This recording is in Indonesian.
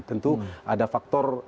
tentu ada faktor